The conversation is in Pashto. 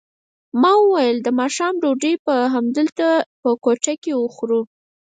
ما وویل د ماښام ډوډۍ به همدلته په کوټه کې وخورو.